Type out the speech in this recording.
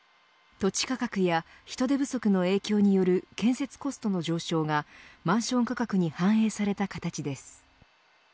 土地価格や人手不足の影響による建設コストの上昇がマンション価格に反映された形です。